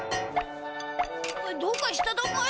どうかしただか？